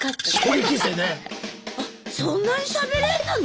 そんなにしゃべれんのね！